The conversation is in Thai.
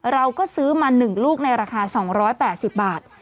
เราก็ซื้อมา๑ลูกในราคา๒๘๐บาท